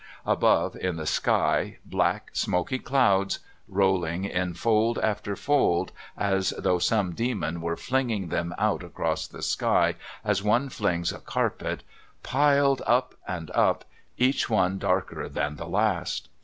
Above, in the sky, black, smoky clouds, rolling in fold after fold, as though some demon were flinging them out across the sky as one flings a carpet, piled up and up, each one darker than the last.